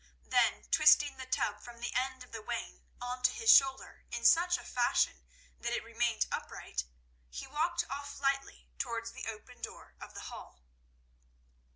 Then twisting the tub from the end of the wain onto his shoulder in such a fashion that it remained upright, he walked off lightly towards the open door of the hall.